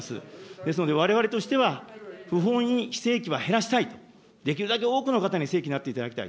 ですので、われわれとしては、不本意非正規は減らしたいと、できるだけ多くの方に正規になっていただきたい。